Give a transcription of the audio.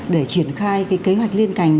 để triển khai kế hoạch liên cảnh